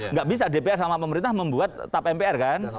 nggak bisa dpr sama pemerintah membuat tap mpr kan